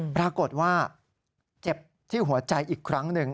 ปรากฏว่าเจ็บที่หัวใจอีกครั้งหนึ่ง